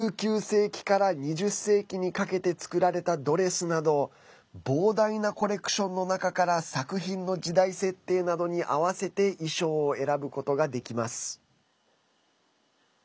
１９世紀から２０世紀にかけて作られたドレスなど膨大なコレクションの中から作品の時代設定などに合わせて衣装を選ぶことができます。